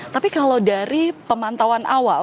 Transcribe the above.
tapi kalau dari pemantauan awal